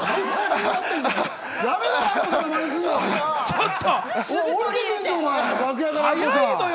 やめろよ！